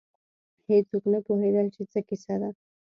هېڅوک نه پوهېدل چې څه کیسه ده.